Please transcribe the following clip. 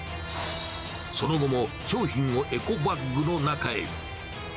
その後も商品をエコバッグの中へ。